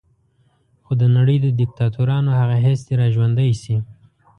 خو د نړۍ د دیکتاتورانو هغه حس دې را ژوندی شي.